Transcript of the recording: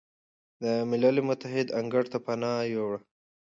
د ملل متحد انګړ ته پناه ویوړه،